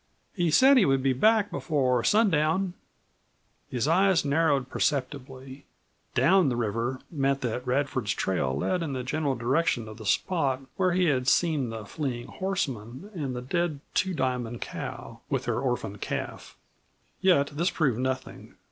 "He said he would be back before sun down." His eyes narrowed perceptibly. "Down" the river meant that Radford's trail led in the general direction of the spot where he had seen the fleeing horseman and the dead Two Diamond cow with her orphaned calf. Yet this proved nothing.